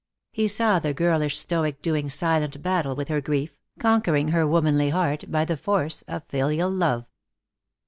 He saw the girlish stoic doing silent battle with her grief, conquering her womanly heart by the force of filial love.